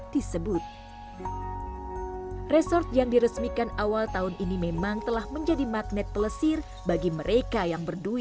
tak begini pun kami kita bisa pergi ke lain tempat tapi tidak perlu